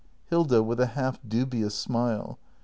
Hilda. [With a half dubious smile.